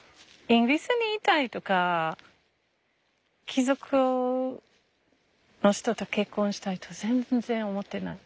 イギリスにいたいとか貴族の人と結婚したいと全然思ってない。